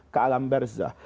ke alam barzah